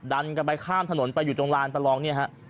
ดันกันไปข้ามถนนไปอยู่ตรงลานประลองเนี่ยฮะ